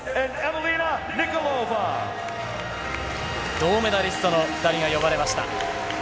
銅メダリストの２人が呼ばれました。